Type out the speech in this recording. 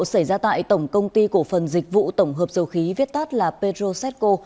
xảy ra tại tổng công ty cổ phần dịch vụ tổng hợp dầu khí viết tắt là pedro seco